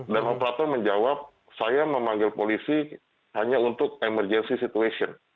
dan operator menjawab saya memanggil polisi hanya untuk emergency situation